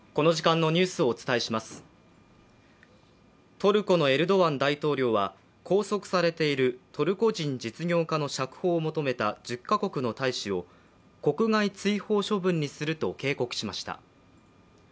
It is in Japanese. トルコのエルドアン大統領は拘束されているトルコ人実業家の釈放を求めた１０カ国の大使を国外追放処分にすると警告しました。